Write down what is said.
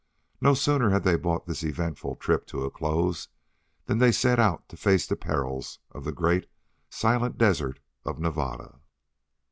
No sooner had they brought this eventful trip to a close than they set out to face the perils of the great, silent desert of Nevada.